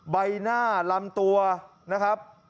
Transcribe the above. ใบหน้าลำตัวนะครับ